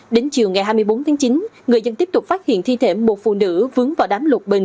đến chiều ngày hai mươi bốn tháng chín người dân tiếp tục phát hiện thi thể một phụ nữ vướng vào đám lục bình